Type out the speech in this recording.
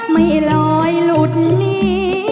ไม่ลอยหลุดหนี